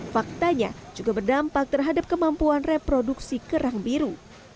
faktanya juga berdampak terhadap kemampuan reproduksi kerang biru